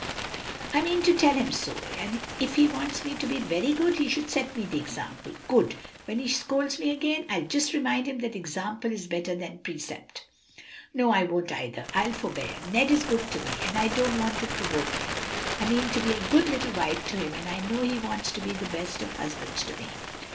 "I mean to tell him so. If he wants me to be very good, he should set me the example. Good! when he scolds me again, I'll just remind him that example is better than precept. "No, I won't either; I'll forbear. Ned is good to me, and I don't want to provoke him. I mean to be a good little wife to him, and I know he wants to be the best of husbands to me.